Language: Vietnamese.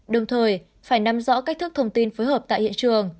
đồng thời phải nắm rõ cách thức thông tin phối hợp tại hiện trường